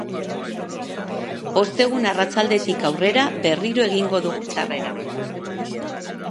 Ostegun arratsaldetik aurrera, berriro egingo du txarrera.